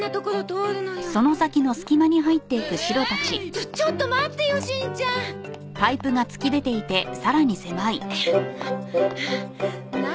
ちょちょっと待ってよしんちゃん。何？